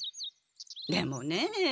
でもねえ